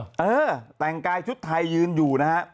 เออแต่งกายชุดไทยยืนอยู่นะฮะ